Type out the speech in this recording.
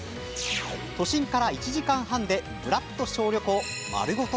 都心から１時間半でぶらっと小旅行丸ごと